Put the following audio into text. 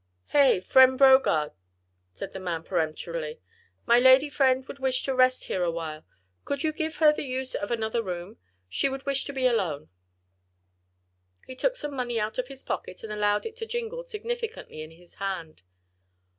"Hey! friend Brogard!" said the young man peremptorily, "my lady would wish to rest here awhile. Could you give her the use of another room? She would wish to be alone." He took some money out of his pocket, and allowed it to jingle significantly in his hand.